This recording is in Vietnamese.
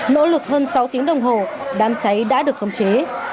nỗ lực hơn sáu tiếng đồng hồ đám cháy đã được khống chế